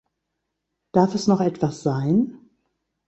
Darf es noch etwas sein?